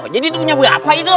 jadi itu punya buah apa itu